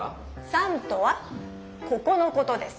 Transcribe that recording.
「さん」とはここのことです。